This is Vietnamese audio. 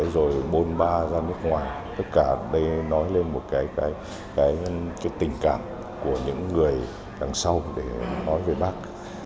rồi bôn ba ra nước ngoài tất cả đây nói lên một cái tình cảm của những người đằng sau để nói về bác